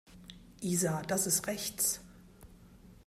Isa, das ist rechts.